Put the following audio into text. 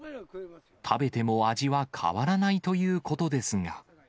食べても味は変わらないということですが。